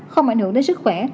không ảnh hưởng đến sức khỏe